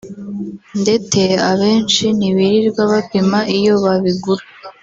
ndete abenshi ntibirirwa bapima iyo babigura